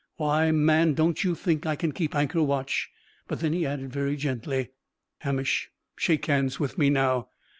"Why, man, don't you think I can keep anchor watch?" But then he added very gently, "Hamish, shake hands with me now.